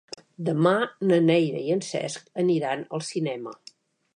Demà na Neida i en Cesc aniran al cinema.